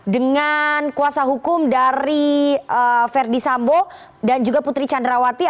dengan kuasa hukum dari verdi sambo dan juga putri candrawati